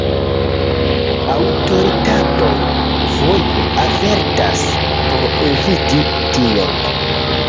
Aŭtoritatoj foje avertas por eviti tion.